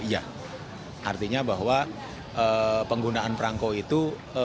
iya artinya bahwa penggunaan perangko itu